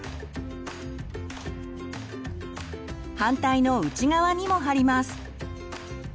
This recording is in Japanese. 反対の内側にも貼ります。